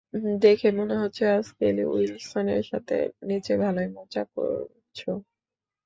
দেখে মনে হচ্ছে আজ কেলি উইলসনের সাথে নেচে ভালোই মজা করছো।